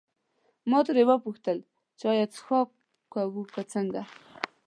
ما ترې وپوښتل چې ایا څښاک کوو که څنګه.